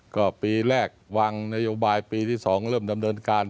ก็ปีแรกวางนโยบายปีที่๒เริ่มดำเนินการ